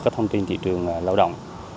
các thông tin thị trường lao động